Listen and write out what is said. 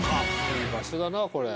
いい場所だなこれ。